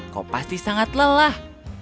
kau pasti sangat lelah